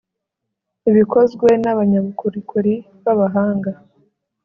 ibikozwe n'abanyabukorikori b'abahanga